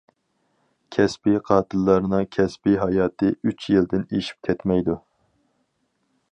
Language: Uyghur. كەسپىي قاتىللارنىڭ كەسپىي ھاياتى ئۈچ يىلدىن ئېشىپ كەتمەيدۇ.